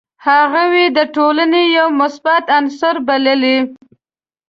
هغوی یې د ټولني یو مثبت عنصر بللي.